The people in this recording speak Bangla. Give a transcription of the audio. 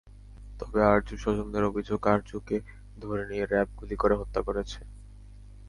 তবে আরজুর স্বজনদের অভিযোগ, আরজুকে ধরে নিয়ে র্যাব গুলি করে হত্যা করেছে।